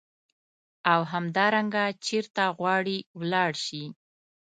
او همدارنګه چیرته غواړې ولاړ شې.